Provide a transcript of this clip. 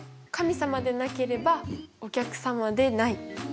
「神様でなければお客様でない」。